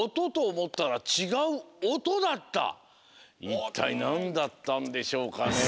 いったいなんだったんでしょうか。